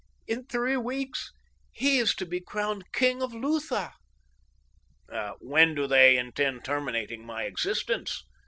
In three weeks he is to be crowned king of Lutha." "When do they intend terminating my existence?"